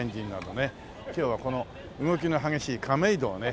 今日はこの動きの激しい亀戸をね